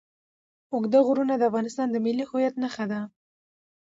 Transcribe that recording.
اوږده غرونه د افغانستان د ملي هویت نښه ده.